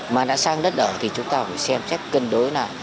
mà đã sang đất ở thì chúng ta phải xem chắc cân đối là